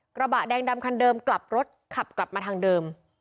กระบะแดงดำคันเดิมกลับรถขับกลับมาทางเดิม